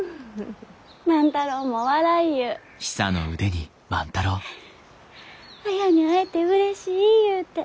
フッ綾に会えてうれしいゆうて。